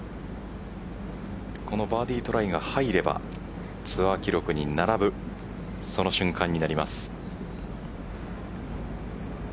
このバーディートライが入ればツアー記録に並ぶその瞬間になります。